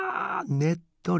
ねっとり。